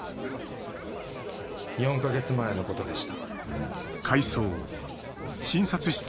４か月前のことでした。